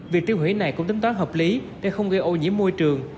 việc tiêu hủy này cũng tính toán hợp lý để không gây ô nhiễm môi trường